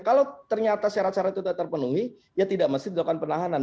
kalau ternyata syarat syarat itu tidak terpenuhi ya tidak mesti dilakukan penahanan